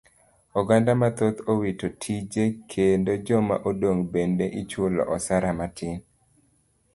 Oganda mathoth owito tije kendo joma odong' bende ichulo osara matin.